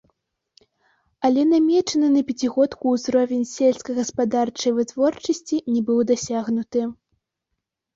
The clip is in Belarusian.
Але намечаны на пяцігодку ўзровень сельскагаспадарчай вытворчасці не быў дасягнуты.